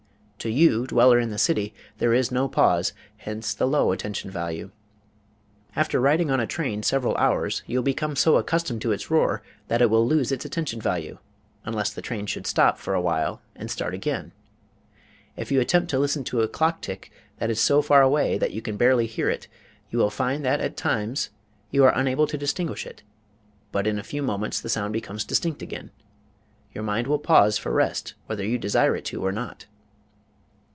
To you, dweller in the city, there is no pause; hence the low attention value. After riding on a train several hours you will become so accustomed to its roar that it will lose its attention value, unless the train should stop for a while and start again. If you attempt to listen to a clock tick that is so far away that you can barely hear it, you will find that at times you are unable to distinguish it, but in a few moments the sound becomes distinct again. Your mind will pause for rest whether you desire it to do so or not.